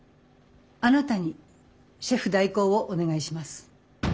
あなたにシェフ代行をお願いします。